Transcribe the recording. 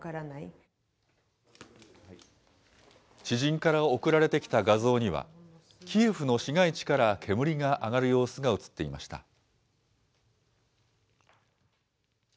知人から送られてきた画像には、キエフの市街地から煙が上がる様子が写っていました。